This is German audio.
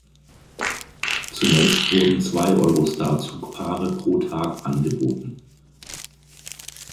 Zunächst wurden zwei Eurostar-Zugpaare pro Tag angeboten.